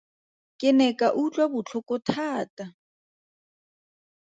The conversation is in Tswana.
Ke ne ka utlwa botlhoko thata.